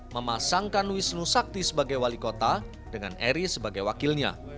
memasangkan wisnu sakti sebagai wali kota dengan eri sebagai wakilnya